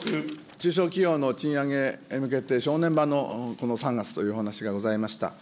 中小企業の賃上げに向けて、正念場のこの３月というお話がございました。